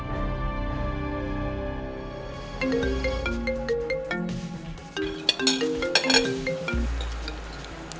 tentang mama abi dan dewi